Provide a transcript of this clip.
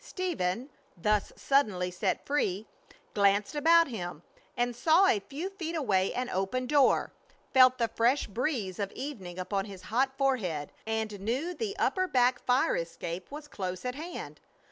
Stephen, thus suddenly set free, glanced about him, and saw a few feet away an open door, felt the fresh breeze of evening upon his hot forehead, and knew the upper back fire escape was close at hand.